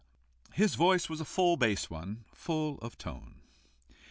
His voice was a full bass one, full of tone.